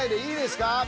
いいですか？